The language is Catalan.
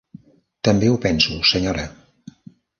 També ho penso, senyora.